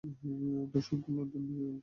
ধর্ষণ, খুন, লুণ্ঠন চলত নির্বিচারে।